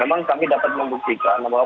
memang kami dapat membuktikan bahwa